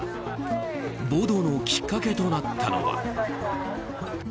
暴動のきっかけとなったのは。